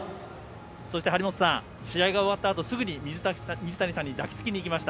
そして張本さん試合が終わったあとすぐに水谷さんに抱きつきました。